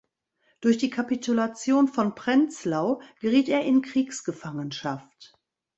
Durch die Kapitulation von Prenzlau geriet er in Kriegsgefangenschaft.